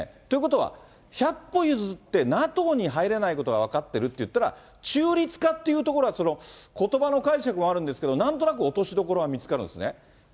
ということは、百歩譲ってＮＡＴＯに入れないことは分かってるって言ったら、中立化っていうところは、ことばの解釈もあるんですけど、なんとなく落としどころが見つかるんですね。